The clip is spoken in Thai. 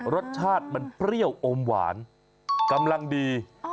รสชาติมันเปรี้ยวอมหวานกำลังดี